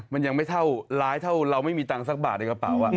มันยังไม่เท่าร้ายเท่าเราไม่มีตังค์สักบาทในกระเป๋า